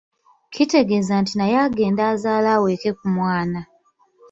Kitegeeza nti naye agende azaale aweeke ku mwana.